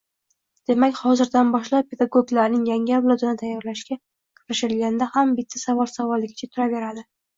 Demak, hozirdan boshlab pedagoglarning yangi avlodini tayorlashga kirishilganda ham bitta savol savolligicha turaveradi